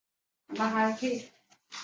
后来交由父亲的警卫员带到北京照顾。